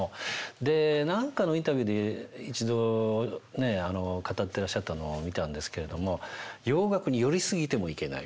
で何かのインタビューで一度語ってらっしゃったのを見たんですけれども洋楽に寄り過ぎてもいけない。